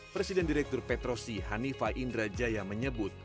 presiden direktur petrosi hanifah indra jaya menyebut